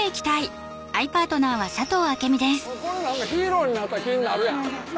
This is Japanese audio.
何かヒーローになった気になるやん。